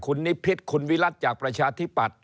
คุณนิพิษคุณวิรัติจากประชาธิปัตย